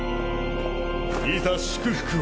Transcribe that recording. いざ祝福を。